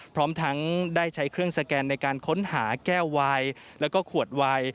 พร้อมทั้งได้ใช้เครื่องสแกนในการค้นหาแก้ววายแล้วก็ขวดวาย